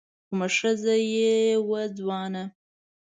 کومه ښځه يې وه ځوانه